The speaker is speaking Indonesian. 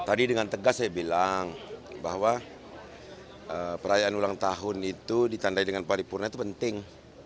tadi dengan tegas saya bilang bahwa perayaan ulang tahun itu ditandai dengan paripurna itu penting